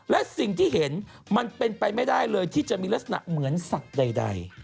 และสิ่งที่เห็นมันเป็นไปไม่ได้เลยที่จะมีลักษณะเหมือนสัตว์ใด